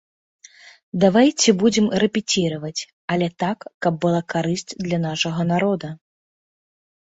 Давайце будзем рэпеціраваць, але так, каб была карысць для нашага народа.